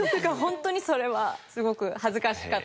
ホントにそれはすごく恥ずかしかった。